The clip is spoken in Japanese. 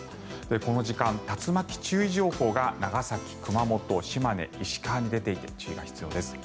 この時間、竜巻注意情報が長崎、熊本、島根、石川に出ていて注意が必要です。